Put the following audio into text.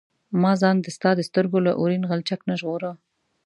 ما ځان د ستا د سترګو له اورین غلچک نه ژغوره.